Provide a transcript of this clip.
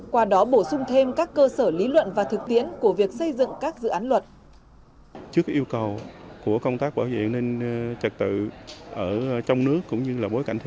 qua đó bổ sung thêm các cơ sở lý luận và thực tiễn của việc xây dựng các dự án luật